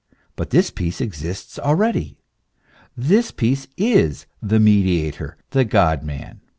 But this peace exists already ; this peace is the Mediator, the God man.